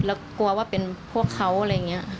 แล้วกลัวว่าเป็นพวกเขาอะไรอย่างนี้